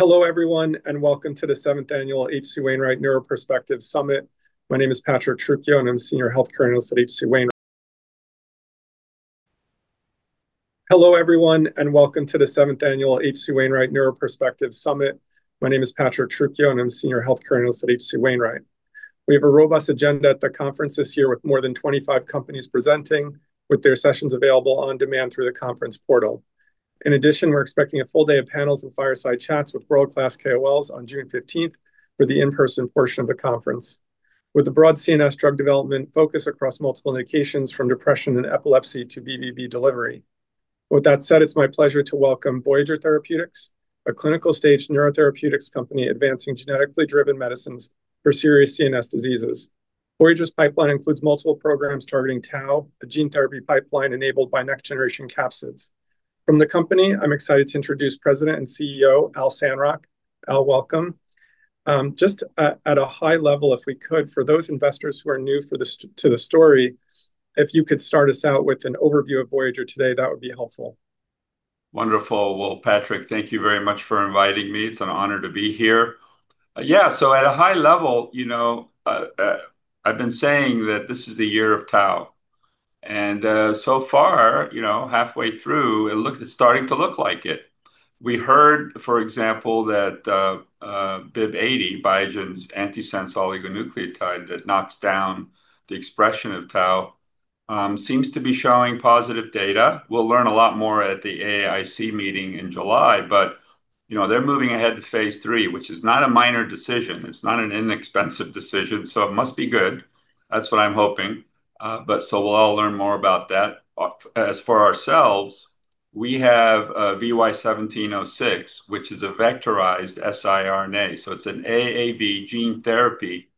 Hello, everyone, and welcome to the Seventh Annual H.C. Wainwright Neuro Perspective Summit. My name is Patrick Trucchio, and I'm Senior Healthcare Analyst at H.C. Wainwright. We have a robust agenda at the conference this year, with more than 25 companies presenting with their sessions available on demand through the conference portal. In addition, we're expecting a full day of panels and fireside chats with world-class KOLs on June 15th for the in-person portion of the conference. That said, it's my pleasure to welcome Voyager Therapeutics, a clinical-stage neurotherapeutics company advancing genetically driven medicines for serious CNS diseases. Voyager's pipeline includes multiple programs targeting tau, a gene therapy pipeline enabled by next-generation capsids. From the company, I'm excited to introduce President and CEO Al Sandrock. Al, welcome. Just at a high level, if we could, for those investors who are new to the story, if you could start us out with an overview of Voyager today, that would be helpful. Wonderful. Patrick, thank you very much for inviting me. It's an honor to be here. At a high level, I've been saying that this is the year of tau, and so far, halfway through, it's starting to look like it. We heard, for example, that BIIB080, Biogen's antisense oligonucleotide that knocks down the expression of tau, seems to be showing positive data. We'll learn a lot more at the AAIC meeting in July, but they're moving ahead to phase III, which is not a minor decision. It's not an inexpensive decision, so it must be good. That's what I'm hoping. We'll all learn more about that. As for ourselves, we have VY1706, which is a vectorized siRNA. It's an AAV gene therapy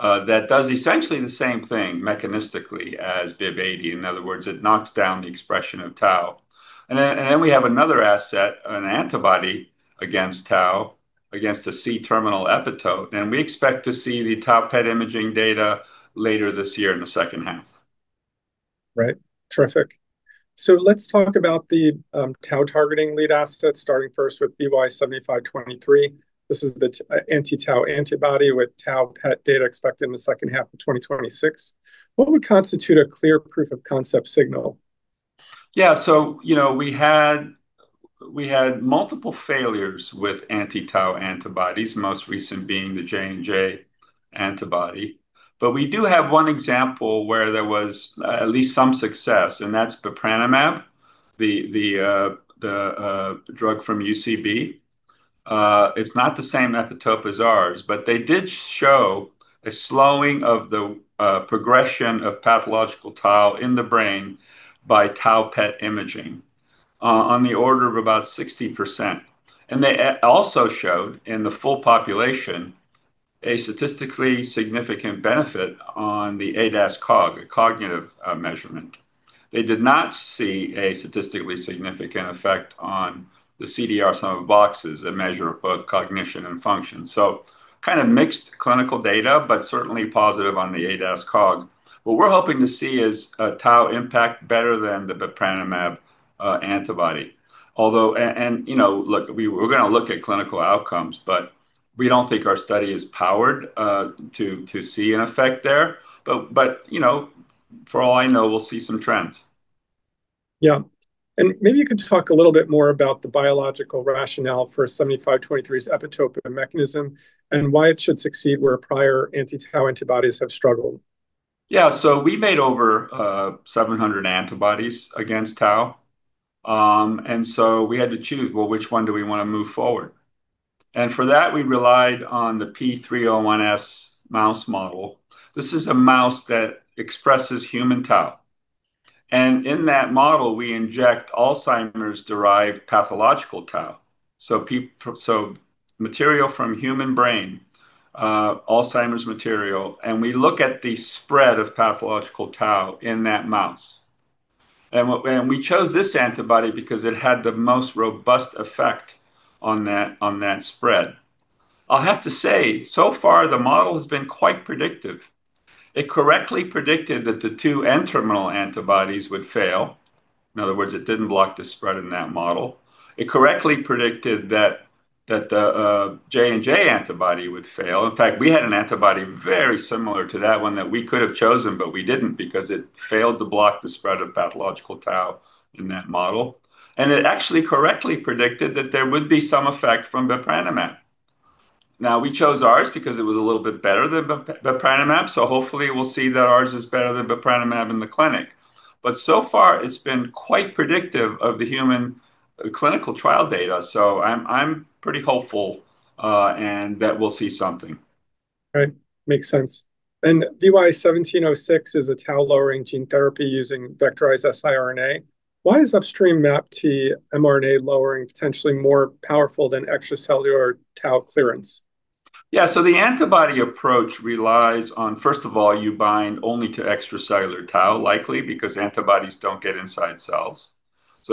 that does essentially the same thing mechanistically as BIIB080. In other words, it knocks down the expression of tau. We have another asset, an antibody against tau, against a C-terminal epitope, and we expect to see the tau PET imaging data later this year in the second half. Right. Terrific. Let's talk about the tau-targeting lead assets, starting first with VY7523. This is the anti-tau antibody with tau PET data expected in the second half of 2026. What would constitute a clear proof-of-concept signal? Yeah. We had multiple failures with anti-tau antibodies, most recent being the J&J antibody. We do have one example where there was at least some success, and that's bepranemab, the drug from UCB. It's not the same epitope as ours, but they did show a slowing of the progression of pathological tau in the brain by tau PET imaging on the order of about 60%. They also showed, in the full population, a statistically significant benefit on the ADAS-Cog, a cognitive measurement. They did not see a statistically significant effect on the CDR Sum of Boxes, a measure of both cognition and function. Kind of mixed clinical data, but certainly positive on the ADAS-Cog. What we're hoping to see is a tau impact better than the bepranemab antibody. Although, and look, we're going to look at clinical outcomes, but we don't think our study is powered to see an effect there. For all I know, we'll see some trends. Yeah. Maybe you could talk a little bit more about the biological rationale for 7523's epitope and mechanism and why it should succeed where prior anti-tau antibodies have struggled. Yeah. We made over 700 antibodies against tau. We had to choose, well, which one do we want to move forward? For that, we relied on the P301S mouse model. This is a mouse that expresses human tau. In that model, we inject Alzheimer's-derived pathological tau, so material from human brain, Alzheimer's material, and we look at the spread of pathological tau in that mouse. We chose this antibody because it had the most robust effect on that spread. I'll have to say, so far, the model has been quite predictive. It correctly predicted that the two N-terminal antibodies would fail. In other words, it didn't block the spread in that model. It correctly predicted that the J&J antibody would fail. In fact, we had an antibody very similar to that one that we could have chosen, but we didn't because it failed to block the spread of pathological tau in that model. It actually correctly predicted that there would be some effect from bepranemab. We chose ours because it was a little bit better than bepranemab, so hopefully we'll see that ours is better than bepranemab in the clinic. So far it's been quite predictive of the human clinical trial data. I'm pretty hopeful and that we'll see something. Right. Makes sense. VY1706 is a tau-lowering gene therapy using vectorized siRNA. Why is upstream MAPT mRNA lowering potentially more powerful than extracellular tau clearance? Yeah. The antibody approach relies on, first of all, you bind only to extracellular tau, likely because antibodies don't get inside cells.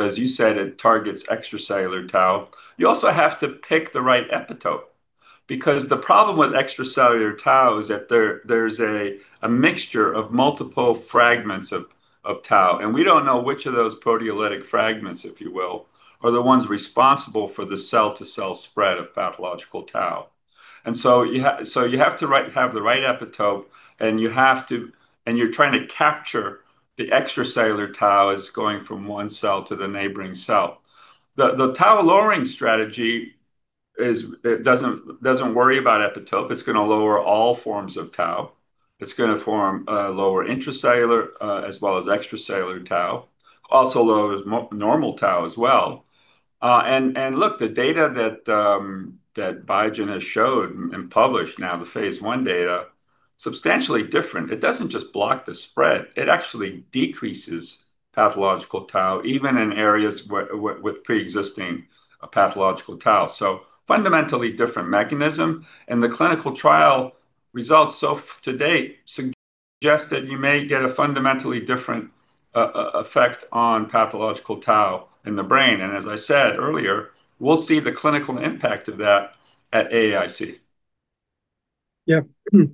As you said, it targets extracellular tau. You also have to pick the right epitope. Because the problem with extracellular tau is that there's a mixture of multiple fragments of tau, and we don't know which of those proteolytic fragments, if you will, are the ones responsible for the cell-to-cell spread of pathological tau. You have to have the right epitope, and you're trying to capture the extracellular taus going from one cell to the neighboring cell. The tau-lowering strategy doesn't worry about epitope. It's going to lower all forms of tau. It's going to form a lower intracellular, as well as extracellular tau, also lowers normal tau as well. Look, the data that Biogen has showed and published now, the phase I data, substantially different. It doesn't just block the spread. It actually decreases pathological tau, even in areas with preexisting pathological tau, so fundamentally different mechanism. The clinical trial results so to date suggest that you may get a fundamentally different effect on pathological tau in the brain. As I said earlier, we'll see the clinical impact of that at AAIC. Yeah.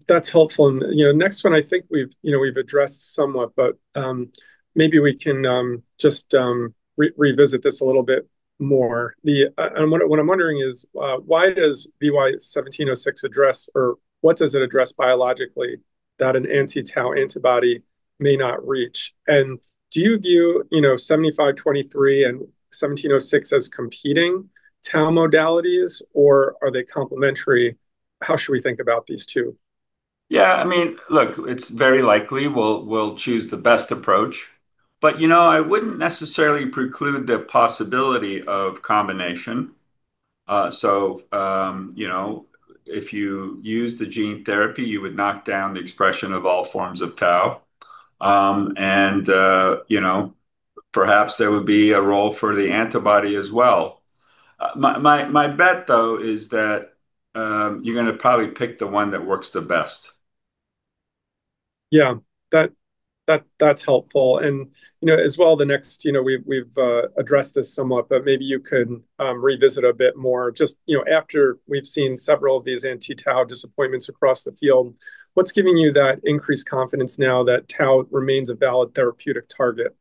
That's helpful. Next one I think we've addressed somewhat, but maybe we can just revisit this a little bit more. What I'm wondering is why does VY1706 address, or what does it address biologically that an anti-tau antibody may not reach? Do you view VY7523 and VY1706 as competing tau modalities, or are they complementary? How should we think about these two? Yeah, look, it's very likely we'll choose the best approach. I wouldn't necessarily preclude the possibility of combination. If you use the gene therapy, you would knock down the expression of all forms of tau. Perhaps there would be a role for the antibody as well. My bet, though, is that you're going to probably pick the one that works the best. Yeah. That's helpful. As well, the next, we've addressed this somewhat, but maybe you could revisit a bit more. Just after we've seen several of these anti-tau disappointments across the field, what's giving you that increased confidence now that tau remains a valid therapeutic target?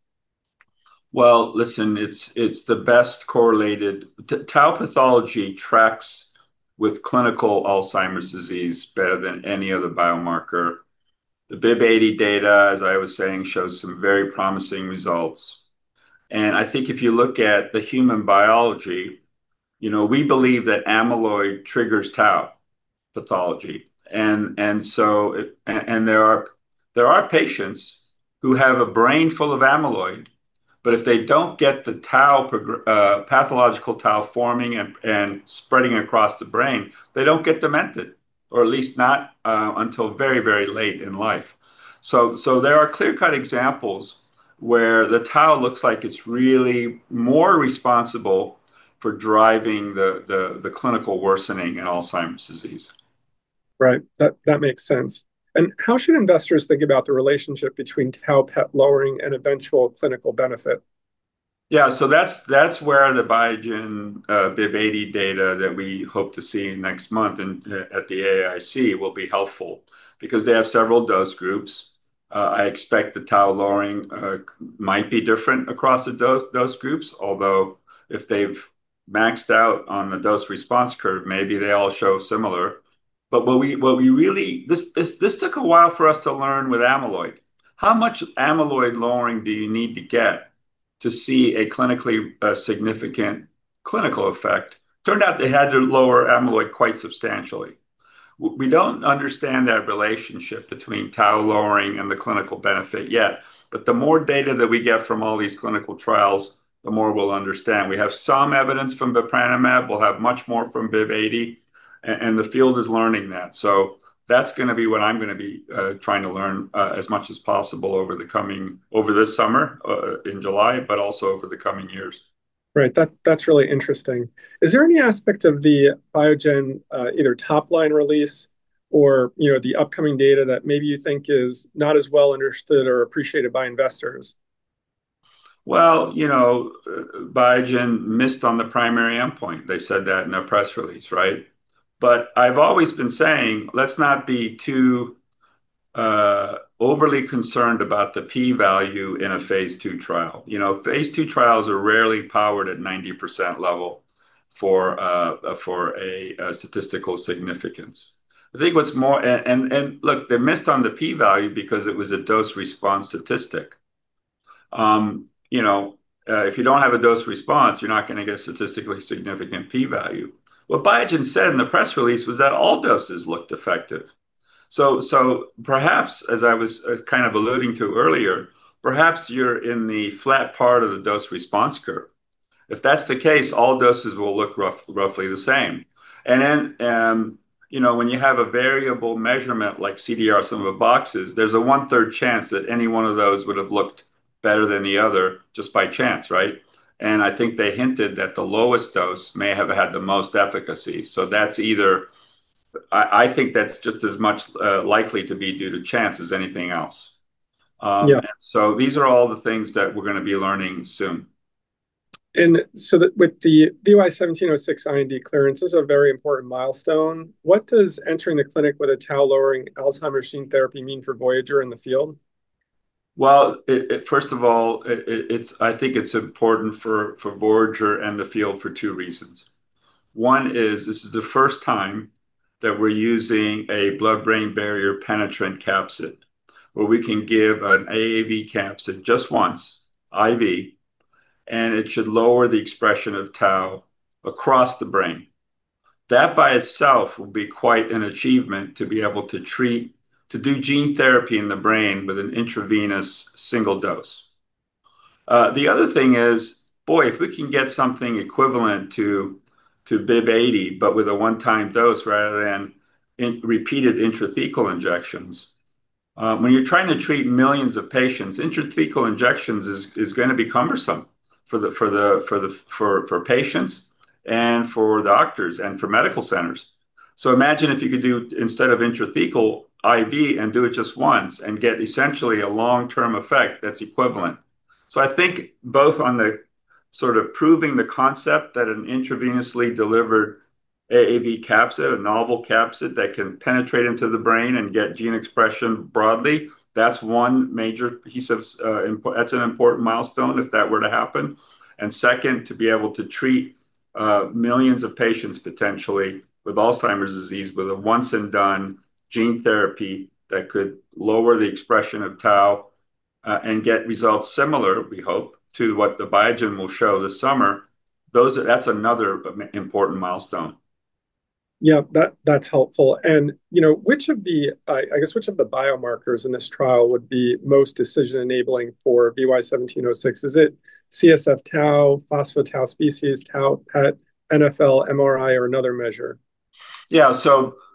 Well, listen, it's the best correlated. Tau pathology tracks with clinical Alzheimer's disease better than any other biomarker. The BIIB080 data, as I was saying, shows some very promising results. I think if you look at the human biology, we believe that amyloid triggers tau pathology. There are patients who have a brain full of amyloid, but if they don't get the pathological tau forming and spreading across the brain, they don't get demented, or at least not until very late in life. There are clear-cut examples where the tau looks like it's really more responsible for driving the clinical worsening in Alzheimer's disease. Right. That makes sense. How should investors think about the relationship between tau PET lowering and eventual clinical benefit? That's where the Biogen BIIB080 data that we hope to see next month and at the AAIC will be helpful because they have several dose groups. I expect the tau lowering might be different across the dose groups. Although if they've maxed out on the dose response curve, maybe they all show similar. This took a while for us to learn with amyloid. How much amyloid lowering do you need to get to see a clinically significant clinical effect? Turned out they had to lower amyloid quite substantially. We don't understand that relationship between tau lowering and the clinical benefit yet, the more data that we get from all these clinical trials, the more we'll understand. We have some evidence from bepranemab. We'll have much more from BIIB080, the field is learning that. That's going to be what I'm going to be trying to learn as much as possible over this summer in July, but also over the coming years. Right. That's really interesting. Is there any aspect of the Biogen, either top-line release or the upcoming data that maybe you think is not as well understood or appreciated by investors? Well, Biogen missed on the primary endpoint. They said that in their press release, right? I've always been saying, let's not be too overly concerned about the P value in a phase II trial. Phase II trials are rarely powered at 90% level for a statistical significance. Look, they missed on the P value because it was a dose response statistic. If you don't have a dose response, you're not going to get a statistically significant P value. What Biogen said in the press release was that all doses looked effective. Perhaps as I was alluding to earlier, perhaps you're in the flat part of the dose response curve. If that's the case, all doses will look roughly the same. When you have a variable measurement, like CDR Sum of Boxes, there's a one-third chance that any one of those would have looked better than the other just by chance, right? I think they hinted that the lowest dose may have had the most efficacy. I think that's just as much likely to be due to chance as anything else. Yeah. These are all the things that we're going to be learning soon. With the VY1706 IND clearance, this is a very important milestone. What does entering the clinic with a tau-lowering Alzheimer's gene therapy mean for Voyager in the field? Well, first of all, I think it's important for Voyager and the field for two reasons. One is this is the first time that we're using a blood-brain barrier penetrant capsid, where we can give an AAV capsid just once, IV, and it should lower the expression of tau across the brain. That by itself will be quite an achievement to be able to do gene therapy in the brain with an intravenous single dose. The other thing is, boy, if we can get something equivalent to BIIB080, but with a one-time dose rather than repeated intrathecal injections. When you're trying to treat millions of patients, intrathecal injections is going to be cumbersome for patients and for doctors and for medical centers. Imagine if you could do, instead of intrathecal, IV, and do it just once and get essentially a long-term effect that's equivalent. I think both on the sort of proving the concept that an intravenously delivered AAV capsid, a novel capsid that can penetrate into the brain and get gene expression broadly, that's an important milestone if that were to happen. Second, to be able to treat millions of patients potentially with Alzheimer's disease, with a once and done gene therapy that could lower the expression of tau, and get results similar, we hope, to what the Biogen will show this summer. That's another important milestone. Yeah. That's helpful. I guess which of the biomarkers in this trial would be most decision-enabling for VY1706? Is it CSF tau, phospho-tau species, tau PET, NfL, MRI, or another measure?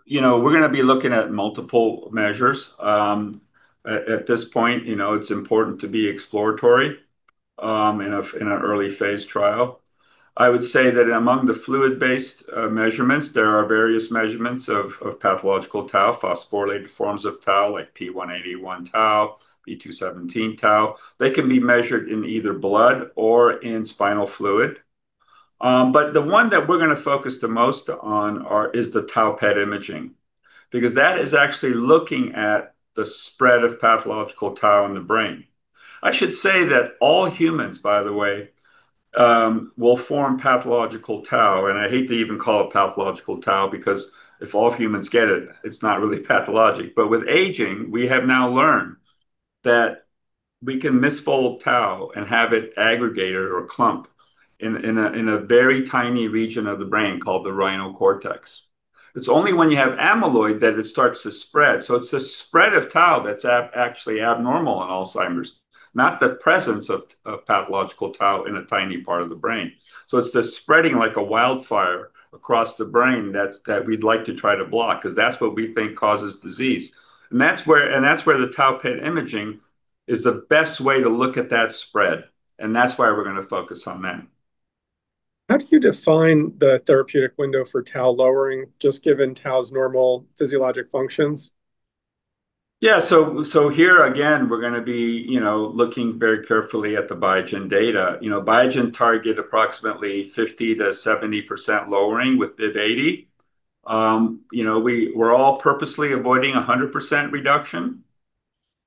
We're going to be looking at multiple measures. At this point, it's important to be exploratory in an early phase trial. I would say that among the fluid-based measurements, there are various measurements of pathological tau, phosphorylated forms of tau, like p-tau181, p-tau217. They can be measured in either blood or in spinal fluid. The one that we're going to focus the most on is the tau PET imaging, because that is actually looking at the spread of pathological tau in the brain. I should say that all humans, by the way, will form pathological tau, and I hate to even call it pathological tau because if all humans get it's not really pathologic. With aging, we have now learned that we can misfold tau and have it aggregated or clumped in a very tiny region of the brain called The Rhinal Cortex. It's only when you have amyloid that it starts to spread. It's the spread of tau that's actually abnormal in Alzheimer's, not the presence of pathological tau in a tiny part of the brain. It's the spreading like a wildfire across the brain that we'd like to try to block, because that's what we think causes disease. That's where the tau PET imaging is the best way to look at that spread, and that's why we're going to focus on that. How do you define the therapeutic window for tau lowering, just given tau's normal physiologic functions? Here again, we're going to be looking very carefully at the Biogen data. Biogen target approximately 50%-70% lowering with BIIB080. We're all purposely avoiding 100% reduction,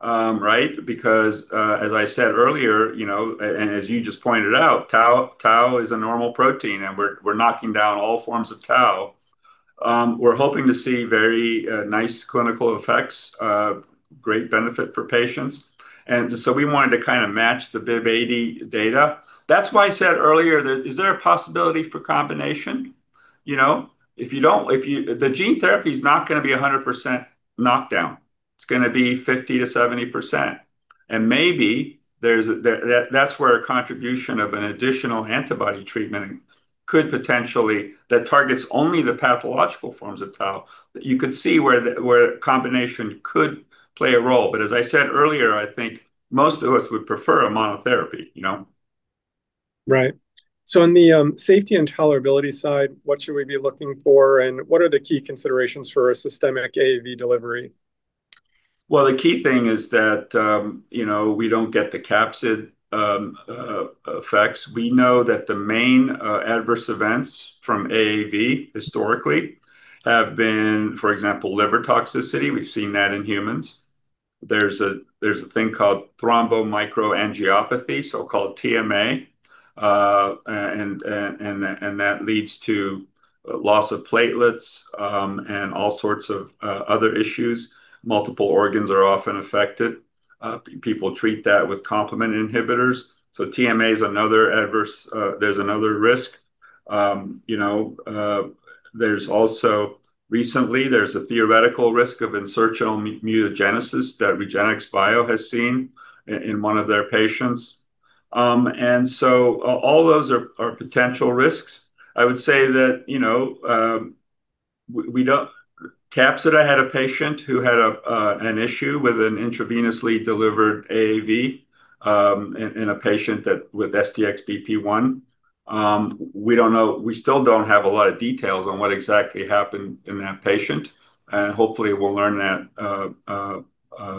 right? Because, as I said earlier, and as you just pointed out, tau is a normal protein, and we're knocking down all forms of tau. We're hoping to see very nice clinical effects, great benefit for patients. We wanted to kind of match the BIIB080 data. That's why I said earlier that is there a possibility for combination. The gene therapy's not going to be 100% knockdown. It's going to be 50%-70%. Maybe that's where a contribution of an additional antibody treatment could potentially, that targets only the pathological forms of tau, that you could see where combination could play a role. As I said earlier, I think most of us would prefer a monotherapy. Right. In the safety and tolerability side, what should we be looking for, and what are the key considerations for a systemic AAV delivery? The key thing is that we don't get the capsid effects. We know that the main adverse events from AAV historically have been, for example, liver toxicity. We've seen that in humans. There's a thing called thrombotic microangiopathy, so-called TMA, and that leads to loss of platelets, and all sorts of other issues. Multiple organs are often affected. People treat that with complement inhibitors. TMA is another risk. Recently, there's a theoretical risk of insertional mutagenesis that REGENXBIO has seen in one of their patients. All those are potential risks. Capsid had a patient who had an issue with an intravenously delivered AAV, in a patient with STXBP1. We still don't have a lot of details on what exactly happened in that patient, hopefully we'll learn that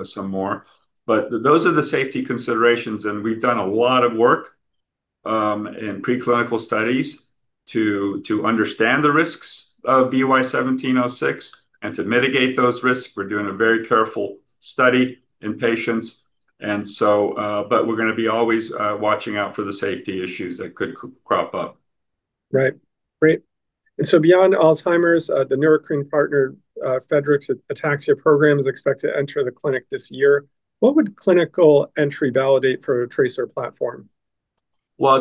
some more. Those are the safety considerations, and we've done a lot of work in preclinical studies to understand the risks of VY1706, and to mitigate those risks, we're doing a very careful study in patients. We're going to be always watching out for the safety issues that could crop up. Right. Great. Beyond Alzheimer's, the Neurocrine partner, Friedreich's ataxia program is expected to enter the clinic this year. What would clinical entry validate for a TRACER platform. Well,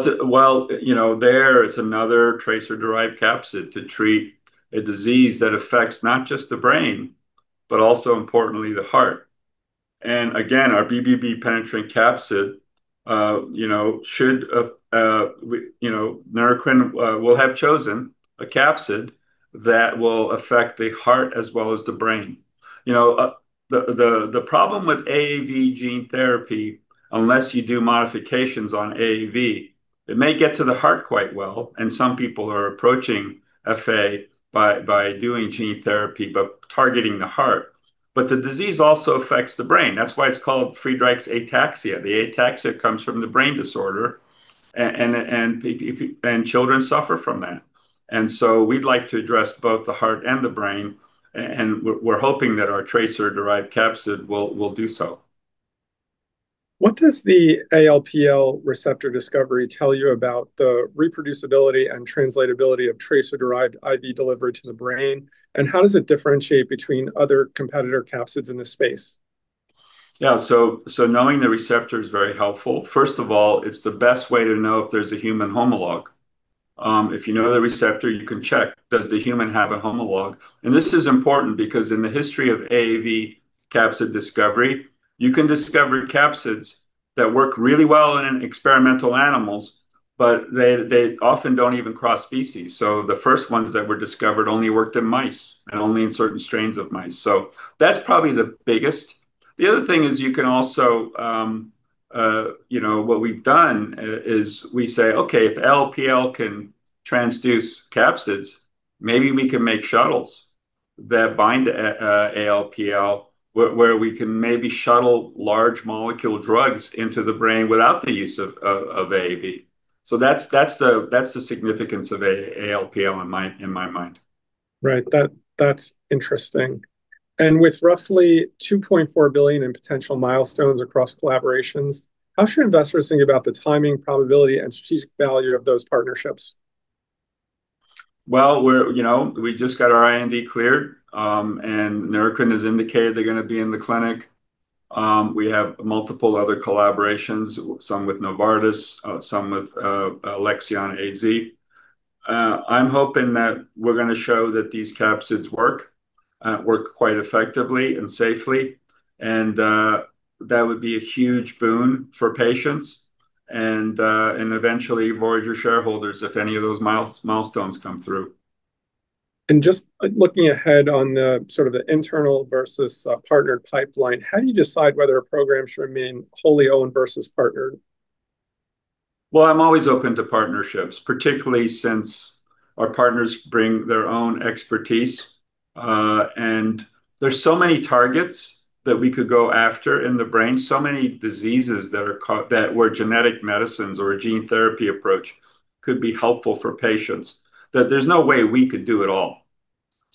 there it's another TRACER-derived capsid to treat a disease that affects not just the brain, but also importantly, the heart. Again, our BBB penetrating capsid, Neurocrine will have chosen a capsid that will affect the heart as well as the brain. The problem with AAV gene therapy, unless you do modifications on AAV, it may get to the heart quite well, and some people are approaching FA by doing gene therapy, but targeting the heart. The disease also affects the brain, that's why it's called Friedreich's ataxia. The ataxia comes from the brain disorder, and children suffer from that. So we'd like to address both the heart and the brain, and we're hoping that our TRACER-derived capsid will do so. What does the ALPL receptor discovery tell you about the reproducibility and translatability of TRACER-derived IV delivery to the brain? How does it differentiate between other competitor capsids in the space? Yeah, knowing the receptor is very helpful. First of all, it's the best way to know if there's a human homologue. If you know the receptor, you can check, does the human have a homologue? This is important because in the history of AAV capsid discovery, you can discover capsids that work really well in experimental animals, but they often don't even cross species. The first ones that were discovered only worked in mice, and only in certain strains of mice. That's probably the biggest. The other thing is you can also, what we've done is we say, "Okay, if ALPL can transduce capsids, maybe we can make shuttles that bind ALPL, where we can maybe shuttle large molecule drugs into the brain without the use of AAV." That's the significance of ALPL in my mind. Right. That's interesting. With roughly $2.4 billion in potential milestones across collaborations, how should investors think about the timing, probability, and strategic value of those partnerships? Well, we just got our IND cleared. Neurocrine has indicated they're going to be in the clinic. We have multiple other collaborations, some with Novartis, some with Alexion AZ. I'm hoping that we're going to show that these capsids work quite effectively and safely, that would be a huge boon for patients, eventually Voyager shareholders, if any of those milestones come through. Just looking ahead on the sort of the internal versus partnered pipeline, how do you decide whether a program should remain wholly owned versus partnered? Well, I'm always open to partnerships, particularly since our partners bring their own expertise. There's so many targets that we could go after in the brain, so many diseases that were genetic medicines or a gene therapy approach could be helpful for patients, that there's no way we could do it all.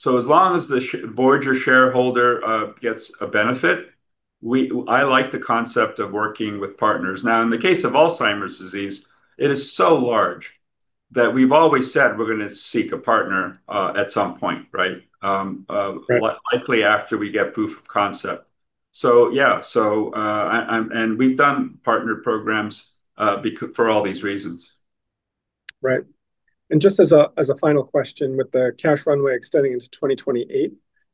As long as the Voyager shareholder gets a benefit, I like the concept of working with partners. Now, in the case of Alzheimer's disease, it is so large that we've always said we're going to seek a partner, at some point, right? Right. Likely after we get proof of concept. Yeah. We've done partnered programs for all these reasons. Right. Just as a final question, with the cash runway extending into 2028,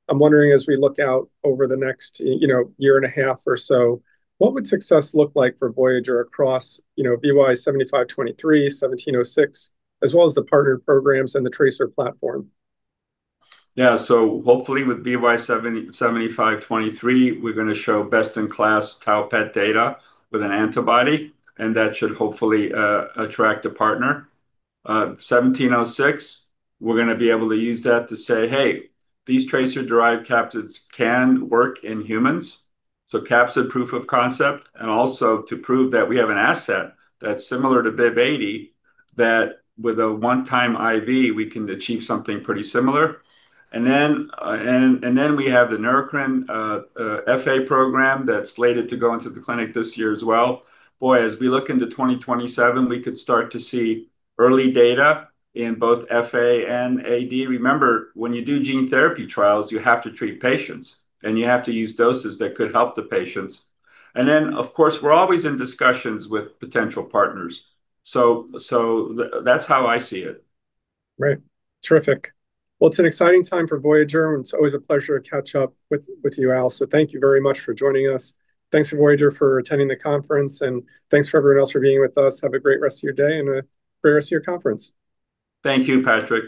I'm wondering, as we look out over the next year and a half or so, what would success look like for Voyager across VY7523, 1706, as well as the partnered programs and the TRACER platform? Yeah. Hopefully with VY7523, we're going to show best-in-class tau PET data with an antibody, and that should hopefully attract a partner. 1706, we're going to be able to use that to say, "Hey, these TRACER-derived capsids can work in humans." Capsid proof of concept, and also to prove that we have an asset that's similar to BIIB080, that with a one-time IV, we can achieve something pretty similar. Then we have the Neurocrine FA program that's slated to go into the clinic this year as well. Boy, as we look into 2027, we could start to see early data in both FA and AD. Remember, when you do gene therapy trials, you have to treat patients, and you have to use doses that could help the patients. Then, of course, we're always in discussions with potential partners. That's how I see it. Right. Terrific. It's an exciting time for Voyager, and it's always a pleasure to catch up with you, Al. Thank you very much for joining us. Thanks for Voyager for attending the conference, and thanks for everyone else for being with us. Have a great rest of your day and a great rest of your conference. Thank you, Patrick.